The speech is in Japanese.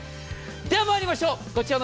では参りましょう。